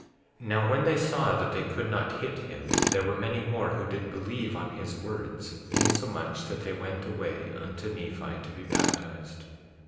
16:3 Now when they saw that they could not hit him, there were many more who did believe on his words, insomuch that they went away unto Nephi to be baptized.